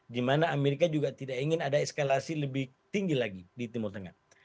di mana amerika juga tidak ingin ada eskalasi lebih tinggi lagi di timur tengah